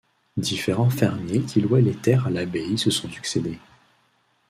Différents fermiers qui louaient les terres à l'abbaye se sont succédé.